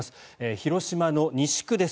広島の西区です。